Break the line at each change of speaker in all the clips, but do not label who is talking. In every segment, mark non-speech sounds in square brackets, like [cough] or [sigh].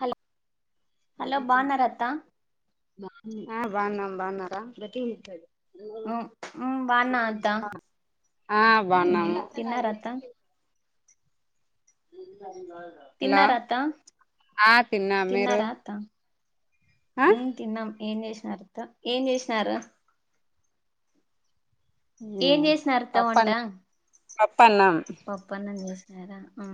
Hello hello
మహితుమ్
బాగున్నారా అత్త
ఆ బాగున్నా బాగున్నారా ప్రతి
ఆ బాగున్నా అత్త
ఆ బాగున్నాము
తిన్నార అత్త
హలో
తిన్నారా అత్త
ఆ తిన్నా మీరు
తిన్నారా అత్త
ఆ
ఉమ్ తిన్నాం ఏం జేసినారు అత్త ఏం జేసినారు. ఏం చేసినారు అత్త వంటా
పప్పన్నం పప్పన్నం
పప్పన్నం జేసినారా ఆ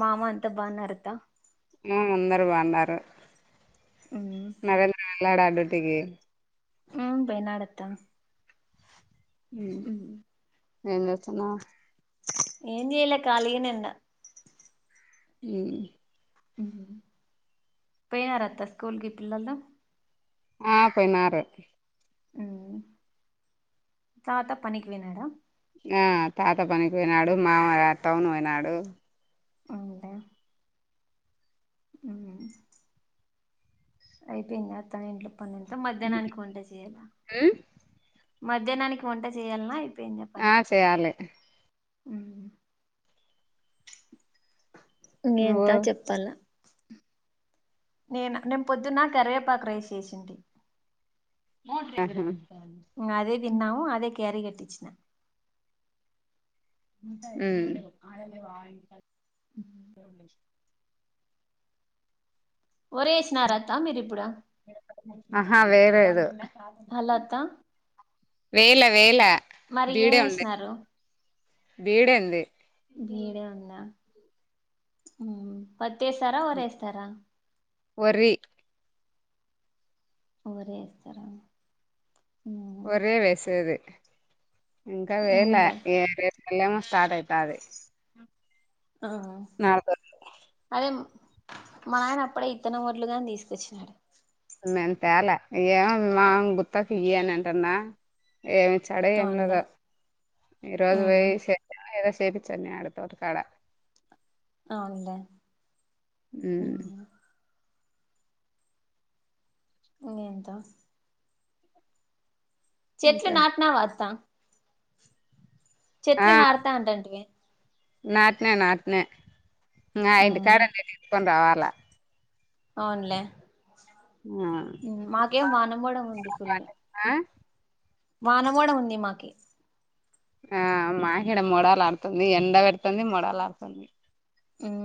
మామ అంత బాగున్నార అత్త
ఆ అందరు బాగున్నారు.
ఉమ్
నరేంద్ర వెళ్ళాడా డ్యూటికి
ఉమ్ పోయినాడత్తా
ఉమ్ ఏం జేస్తున్నావ్
ఏం జేయలే ఖాళీగానే ఉన్న
ఉమ్
పోయినరా అత్త స్కూల్కి పిల్లలు
ఆ పోయినారే
ఉమ్ తాత పనికి పోయినాడా
ఆ తాత పనికి పోయినాడు మామ టౌను పోయినాడు
అవునులే ఊ అయిపోయిందా అత్తానింట్లో పని అంతా మధ్యానానికి వంట చేయాలా మధ్యానానికి వంట చేయాల్నా అయిపోయిందా పని
ఆ చేయాలి
ఉమ్
నువ్వు
ఇంగేంత చెప్పాల నేనా నేను పొద్దున్న కరివేపాకు రైస్ చేేసింటి
[unintelligible]
ఇంగ అదే తిన్నాం అదే క్యారీ కట్టిచ్చినా
ఊ
ఒరేేసినారా అత్తా మీరిప్పుడు
ఆహా
హలో అత్తా
వెయ్లే వెయ్లే
మరి
బీడే ఉంది
ఏమేసినారు
బీడు ఉంది
బీడే ఉందా ఉమ్ పత్తి ఏస్తారా వరి ఏస్తారా
వరి
వరి ఏస్తారా ఊ
వారే వేసేది ఇంకా వెయ్లే
అవునులే
ఏ రేపు నెలేమో స్టార్ట్ ఐతాది
ఆ
నారు తోని
అదేమ్ మా నాయన అప్పుడే ఇత్తనం వడ్లుగాని తీసుకొచ్చినాడు
మేం తేలే ఇగ మామ్ గుత్తకు ఇయ్ అని అంటన్నా ఏమిచ్చాడో ఏం
అవునులే
లేదో ఈరోజు
మ్
పోయి సే ఏదో సేప్చిచ్చే మే ఆడు తోటకాడ
ఆవునులేే ఊ
ఉమ్
ఇంగేంత చెట్లు
ఇంకా
నాటినావా అత్తా చెట్లు నాడతా అంటాంటివి
నాట్నే నాట్నే ఇంగ ఆ ఇంటికాడ ఉండేటివి తీసుకొని రావాల
అవునులే
ఊ ఆ
ఊ మాకేం వాన మోడం ఉంది ఫుల్ల
ఆ
వాన మోడం ఉంది మాకి
ఆ మాకీడ మొడాలు ఆడుతుంది ఎండ పెడుతుంది మొడాలు ఆడుతుంది
ఉమ్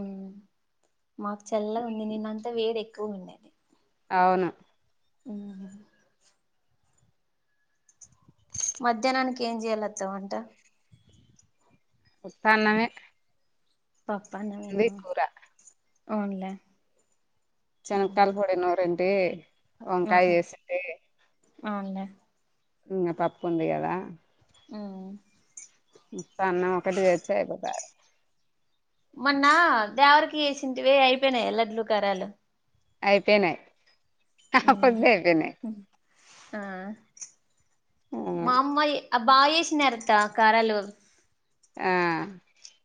మాకు చల్లదుంది నిన్న అంతా వేడి ఎక్కువ ఉండేది
అవును
ఊ మధ్యానానికి ఏం చెయ్యాలత్త మంట
ఉత్తన్నమే
పాప్పన్నమేనా
కూర
అవునులే
చానం తల్ పొడి నూరంటే
ఆహా అవునులే
ఇంగ పప్పుంది కదా
ఊ
ఉత్త అన్నం ఒకటి తెచ్చి అయిపోతాది
మొన్న దేవరికి ఏసింటివే అయిపోయినయ లడ్లు కరాలు
అయిపోయినయ్ అప్పటికే అయిపోయినయ్
ఆ మామ్మయ్ ఆ బాగ ఏసినారత్త కారాలు
ఆ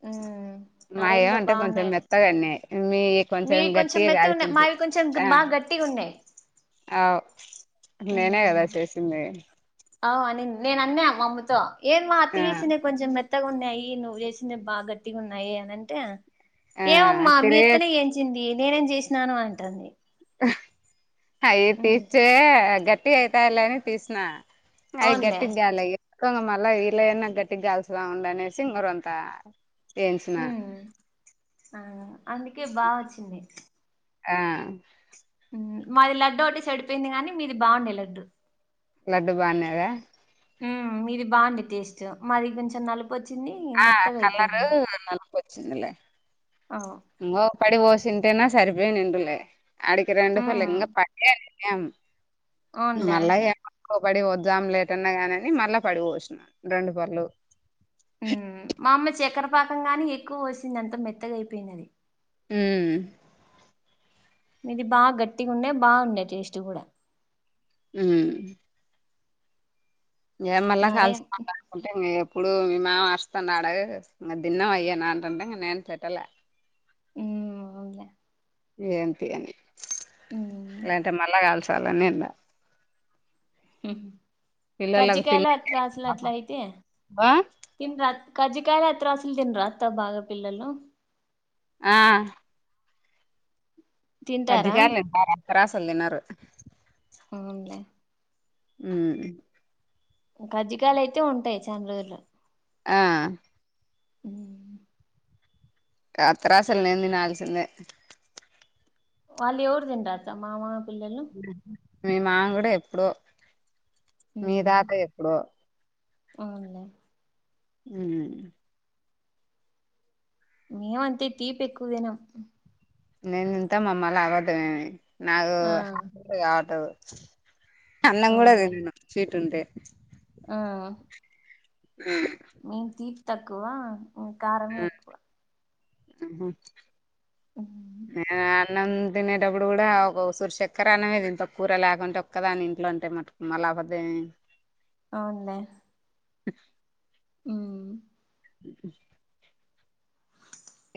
ఉమ్
మా
నరేంద్ర
ఏమంటే కొంచెం
బాగున్నాయి
మెత్తగన్నయ్ మీయే
మీవి
కొంచెం గట్టిగ
మెత్తగా ఉన్నాయి
గాలిచింది
మావి కొంచెం
ఆ
బాగా గట్టిగా ఉన్నాయి
అవ్ నేనే
ఉమ్
కదా చేసింది
అవు అని నేనన్నా మా అమ్మతో ఏం మా అత్త
ఆ
చేసినయే కొంచెం మెత్తగా ఉన్నాయి నువ్వు చేస్ ది బా గట్టిగా ఉన్నాయి అనింటే
ఆ
ఏమమ్మా మీ
తిరిగే
అత్తనే చెయిన్ చ్చింది ఇదే నేను చేసినాను అంటుంది
అయి
ఉమ్
తీచే గట్టిగ అయితాల్లని తీసినా అయి
అవునులే
గట్టిగ్గాల్లే మళ్ళా వీల్లయన్న గట్టిగ్గాల్సదా ముండనేసి ఇంగ రొండ్ తా ఎయించినా
ఉమ్ ఆ అందుకే బాగొచ్చింది
ఆ
మాది లడ్డు ఒకటె చెడిపోయింది గాని మీది బాగుండే లడ్డు
లడ్డు బాగుండినాదా
ఉమ్ మీది బావుంది టేస్ట్ మాది కొంచెం నలుపు పొచ్చింది
ఆ కలరూ నలుపొచ్చిందిలే
అ
ఇంగ ఓ పడి పోశుంటేనా సరిపోయినింటంలే అడికి రండు
హ్మ్
పలింగ పడి యం
అవునులే
మళ్ళ య ఒక పక్క పడి పోద్దాం లేటన్నా గాని మళ్ళా పడిపోసినా రెండు పడులు
ఉమ్ ఉమ్ మా అమ్మ చక్కెరపాకం గాని ఎక్కువ బోసింది అంత మెత్తగయిపోయిందని
ఉమ్
మీది బాగ గట్టిగా ఉండే బాగుండే టేస్ట్ గూడ
ఉమ్ ఇగ మల్లా
మరే
కాల్స్నంక ఉంటే ఇంగ ఎప్పుడు మీ మామ అర్స్తాన్నాడు ఇంగదిన్నం అయ్యేనా అంటంటే ఇంగ నేను పెట్టలే
ఉమ్ వద్దులే
ఏంటి అని
హ్మ్
లేదంటే మళ్ళా కాల్చాలని ఉండా పిల్లలకు తిని
కజ్జికాయలు అట్లా అసలు అట్లా అయితయా
ఆ
తిన్రా కజ్జికాయలు అత్ర అసలు తినరా అత్త బాగా పిల్లలు
ఆ
తింటారా
కజ్జికాయాలు [unintelligible] అత్రాసలు తినరు
అవునులే
ఉమ్
కజ్జికాయలయితే ఉంటాయి చాన్రోజులు
ఆ
ఉమ్
అత్ర అసలు నేన్ తినాల్సిందే
వాళ్లేవురు తిన్రా అత్త మామా పిల్లలు
మీ మామ గూడ ఎప్పుడో మీ
హ్మ్
తాత ఎప్పుడో
అవునులే
ఉమ్
మేమంతే తీపి ఎక్కువ తినం
నేను తింటా మామ్మ అల్లా అబద్దమేమి నాకు
ఆ
కావట్దు అన్నం గూడా
అవునులే
తినం స్వీట్ ఉంటే
ఆ
ఆ
నేన్ తీపి తక్కువ కారమే ఎక్కువ
ఉహు
ఉమ్
యాన్ అన్నం తినేటప్పుడు గూడా ఒక సుర్శక్కర అన్నమేది తింటా కూర లేకుంటే ఒక్కదాని ఇంట్లో ఉంటే మటుకు మాలా అబద్దం ఎ
అవునులే ఉ
ఉ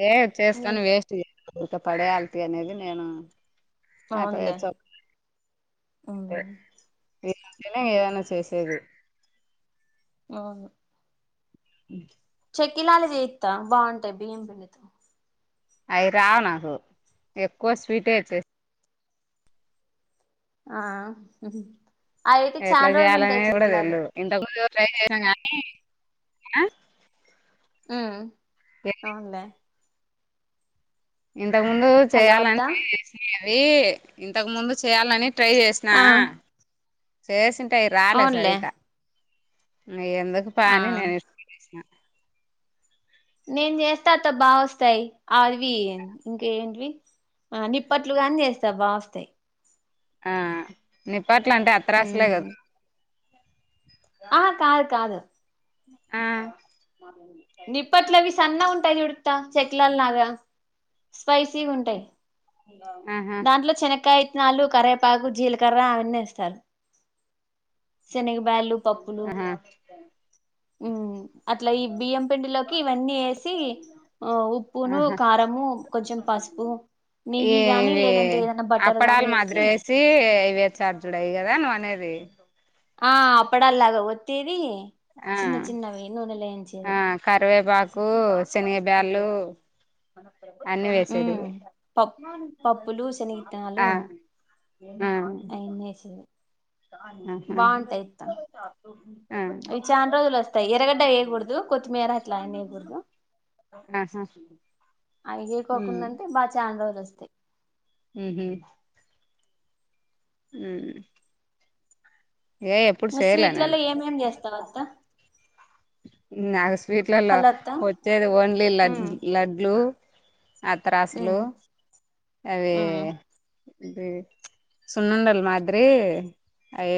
ఏ చేస్తాని వేస్ట్ చేరిక పడేయాల అనేది నేను
అవునులే
ఆప్పచ్చ
ఉమ్
తింటేనే ఏదైనా చేసేది
అవును
ఉ
చెక్కిలాలి చేస్తా బాగుంటాయి బియ్యం పిండితో
అవి రావు నాకు ఎక్కువ స్వీట్ ఎ చ్చేస్తా
ఆ అ అయితే
ఎట్లా
చాలా రోజులు
చేయాలనే
ఉంటాయి
కూడా
చెట్లాలు
తెల్దు ఇంతకు ముందు ట్రై చేసాం గానీ
ఉమ్ అవునులే
ఇంతకు ముందు
హలో
చేయాలని
అత్తా
ట్రై చేసేది అవి ఇంతకు ముందు చేయ్యాలని ట్రై చేసేది అ
ఆ
చేసింటే రాలే
అవునులే
సరిత ఇగా ఎందుకు
ఆ
పని నేను ఇ
నేను చేస్తే అత్త బాగా వస్తాయి అవి ఇంక ఏంటివి ఆ నిప్పట్లుగాని చేస్తా బాగ వస్తాయి
అ నిపాట్ల అంటే అత్త రాసలే
ఉమ్
గదా
ఆహా కాదు కాదు
ఆ
నిప్పట్లు అవి సన్నాగ ఉంటాయి చూడు అత్త చెక్లాలు లాగా స్పైసీ ఉంటాయి
ఆహా
దాంట్లో శనకాయ శనకాయాలు కరేపాకు జీలకర్ర అవన్నీ ఎస్తారు శన్గ్ బ్యాళ్ళు
ఆహా
ఉ అట్లా ఈ బియ్యం పిండిలోకి ఇవన్నీ ఎసి ఆ ఉప్పును
ఆహా
కారం కొంచేం పసుపు
ఈ
నెయ్యి గాని లేదంటే ఏదనా బటర్ గాని ఎసి
అవే చార్జుడు అయ్యి గదా నువ్వు అనేది
ఆ అప్పుడల్లాగా ఒత్తేేది చిన్న
ఆ
చిన్నవి నూనె లేయించేది
ఆ కరివేపాకు శనగ బ్యాళు అన్ని వేసది
ఉమ్ పప్ పప్పులు
ఆ ఆ
అయిని ఎసింది
ఆహా ఆ
ఇవి చాలా రోజులు వస్తాయి ఎరగడ్డ ఏయకూడదు కొత్తిమీర అట్లా అయన్నీ వేయకూడదు
ఆహా
[inaudible]
ఉమ్
అవిగేకోకుండుంటే బా ఛాన్రోజులు వస్తాయి
ఉహు ఉ చేయలే
స్వీట్లలో
నేను
ఏమేం చేస్తావత్తా
నాకు స్వీట్లలో
హలో అత్త
వచ్చేది ఓన్లీ లడ్
ఉమ్
లడ్లు అత్త్రాసులు
ఉమ్
అవి
ఉమ్
ఉ సున్నుండలు మాద్రి అయి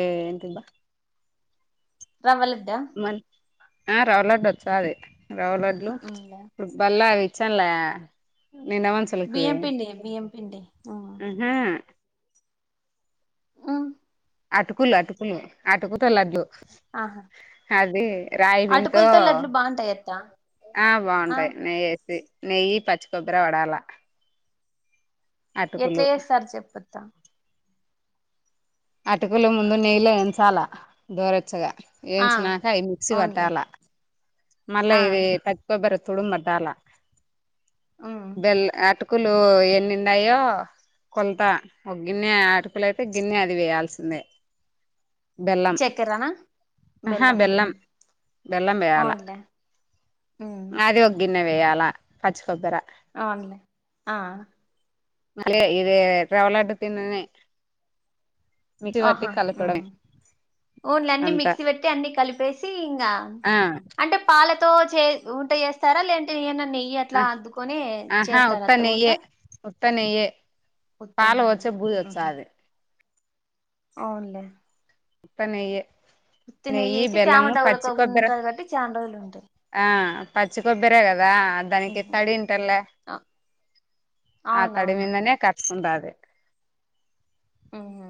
రవ్వలడ్డ
ఆ రవ్వలడ్డు వొచ్చాది రవ్వలడ్లు
ఉమ్
ఫుట్బల్ అవి చ్చలే నిండమంచి
బియ్యం పిండి బియ్యం పిండి
ఆ
ఉమ్
అటుకులు అటుకులు అటుకుతో లడ్లు
ఆహా
అది రాయిపిండ్తో
అటుకులతో లడ్లు బాగుంటాయి అత్త
ఆ బాగుంటాయి నెయ్యేసి నెయ్యి పచ్చి కొబ్బరి వడాల
ఎట్లా
అటుకులు
చేస్తారు చెప్పుత్త
అటుకుల ముందు నెయ్యలో వేంచాలా దోరెచ్చగా
ఆ
వేయించినాక అవి మిక్సీ
అవునులే
పట్టాలా మళ్ళ
ఆ
ఇది పచ్చికొబ్బరి తురుమ్ బట్టాలా
ఉమ్
బెల్ అటు టుకులు ఎన్ని ఉన్నాయో కొలత ఒక గిన్నె ఆటుకులు అయితే గిన్నె అది వేయాల్సిందే బెల్లం
చక్కెరనా
ఆహా బెల్లం బెల్లం వేయాల
అవునులే ఉమ్
అది ఒ గిన్నె వేయాల పచ్చి కొబ్బరి
అవునులే ఆ
మళ్ళా ఇది రవ్వలడ్డు తిందనే
ఆహా
కలపడమే
ఊన్లే అన్నీ
అంతా
మిక్సీ పెట్టి అన్ని కలిపేసి ఇంకా
ఆ
అంటే పాలతో చే ఉంట చేస్తారా లేంటే ఎనన్నా నెయ్
ఆ ఆహా
ఉంట
ఉత్తనెయ్యే ఉత్తనెయ్యే
ఉత్త
పాలు
నెయ్యే
పొచ్చే
ఉహు
బూజొచ్చాది
అవునులే
తనెయ్యే
ఉత్త నెయ్యయితే తామ తగలకోకుండా
కొబ్బరి
ఉంటది కాబట్టి చానా రోజులు ఉంటాయి
ఆ పచ్చికొబ్బరే కదా దానికి
ఉహు
తడింటలే
అ-
ఆ తడి
అవునవును
మీందనే కర్సుకుంటాది
ఆహా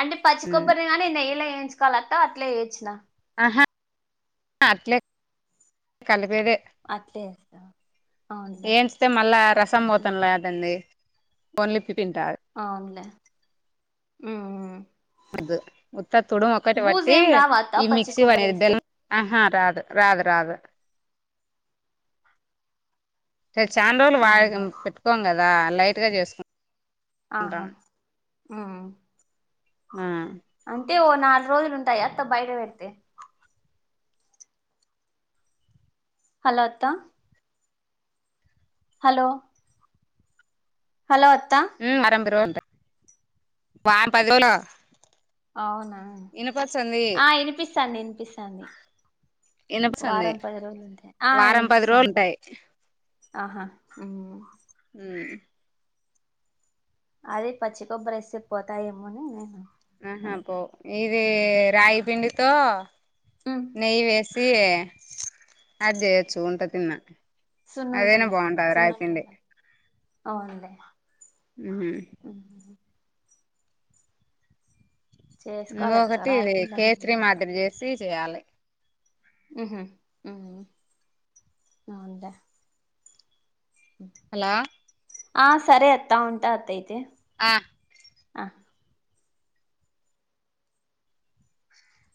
అంటే పచ్చి
ఉమ్
కొబ్బరిని కానీ నెయ్యిలో వేయించకోవాలత్తా అట్లే వేచ్చిన
ఆహా అట్లే కలిపేదే
అట్లే చేస్తా అవునులే
[inaudible] ఏంచితే మళ్ళా రసం పోతండ్లా
ఉహు.
దాంది ఓన్లిఫి తింటారు
ఆవునులే మ్మ్
ఉత్త తుడుమొక్కటి బట్టి
ఏం రావా అత్త
ఈ
పచ్చి
మిక్సీ వనే
కొబ్బరి వేస్తే
బెల్ ఆహా రాదు రాదు రాదు చాలా రోజులు వా
అవునులే
పెట్టుకోం కదా లైట్ గా చేసుకో
ఆహా
ఆ
అంటే ఓ నాలుగు రోజులు ఉంటాయా త బయట పెడితే హలో అత్తా హలో హలో అత్తా
వరబ రవంట వారం పదిరోజుల్
అవునా ఆ వినిపిస్తాంది వినిపిస్తాంది
ఇనపస్తుంది
వారం పది రోజులుంటే ఆ
వారం పది రోజులు
అనిపిస్తుందిని
ఉంటాయి
ఆహా
ర్
అది పచ్చికొబ్బరి వేసి ఏ పోతాయేమోని నేను
ఆహా పో
అడుగుతాను
ఇది రాగి పిండితో
ఉమ్
నెయ్య వేసి సయే అది చేయచ్చు ఉంట తిన్నా అదేనా
సున్నుంటలే
బాగుంటది రాయిపిండి
అవుంన్ లే
ఉ
చేసుకోవాలి అత్త
ఇంకొకటి ఇది
రాగిపిండి ఉంది మా
కేసరి
ఇంట్లో
మాదిరి చేసి చేయాలి
అంటే [inaudible]
హలా
ఆ సర అత్తా ఉంట అత్త అయితే
ఆ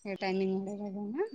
ఏ టైమింగ్ వదనా